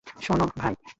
শোন, ভাই।